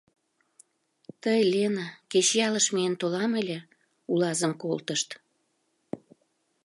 Тый, Лена, кеч ялыш миен толам ыле, улазым колтышт.